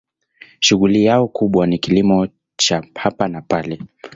Shughuli yao kubwa ni kilimo cha hapa na pale.